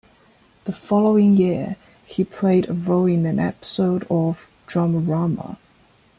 The following year, he played a role in an episode of "Dramarama".